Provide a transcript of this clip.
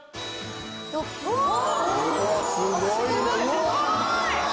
すごい！